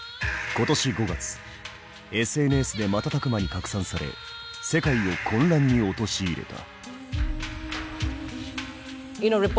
今年５月ＳＮＳで瞬く間に拡散され世界を混乱に陥れた。